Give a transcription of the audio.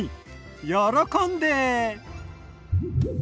喜んで。